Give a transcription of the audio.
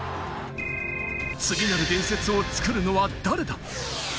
次なる伝説を作るのは誰だ？